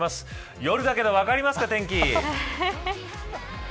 夜だけど分かりますか、天気。